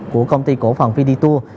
của công ty cổ phần fiditur